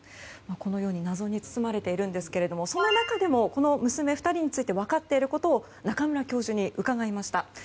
このように謎に包まれているんですがそんな中でもこの娘２人について分かっていることを中村教授に伺いました。